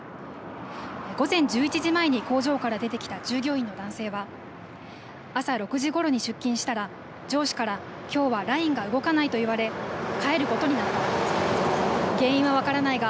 午前１１時前に工場から出てきた従業員の男性は朝６時ごろに出勤したら上司からきょうはラインが動かないと言われ帰ることになった。